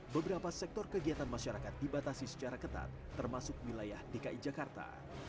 beberapa sektor kegiatan masyarakat dibatasi secara ketat termasuk wilayah dki jakarta